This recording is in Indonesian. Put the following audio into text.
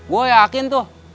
gue yakin tuh